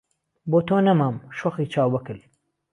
بۆ تۆ نهمام شۆخی چاوبهکل